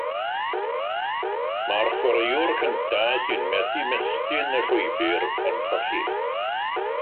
Mae'r chwaraewr cyntaf, sy'n methu ymestyn y llwybr, yn colli.